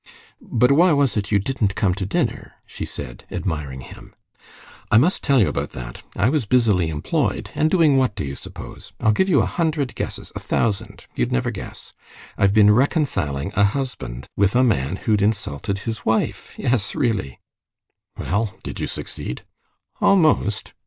"But why was it you didn't come to dinner?" she said, admiring him. "I must tell you about that. I was busily employed, and doing what, do you suppose? I'll give you a hundred guesses, a thousand ... you'd never guess. I've been reconciling a husband with a man who'd insulted his wife. Yes, really!" "Well, did you succeed?" "Almost."